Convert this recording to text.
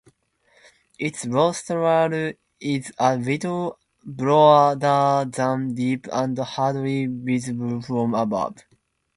Its rostral is a little broader than deep and hardly visible from above.